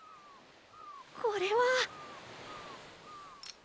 これは。